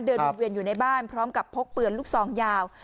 วนเวียนอยู่ในบ้านพร้อมกับพกปืนลูกซองยาว